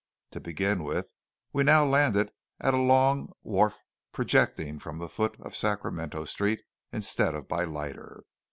To begin with, we now landed at a long wharf projecting from the foot of Sacramento Street instead of by lighter.